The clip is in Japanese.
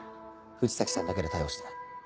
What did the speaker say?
藤崎さんだけで対応して。